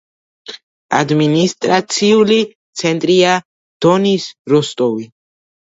ადმინისტრაციული ცენტრია დონის როსტოვი.